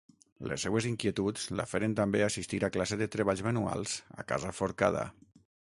Les seues inquietuds la feren també assistir a classe de treballs manuals a casa Forcada.